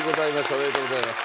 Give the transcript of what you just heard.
おめでとうございます。